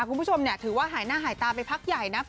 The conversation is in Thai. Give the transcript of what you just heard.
คุณผู้ชมถือว่าหายหน้าหายตาไปพักใหญ่นะ